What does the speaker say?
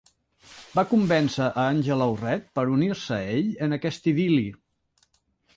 Va convèncer a Angela Orred per unir-se a ell en aquest idil·li.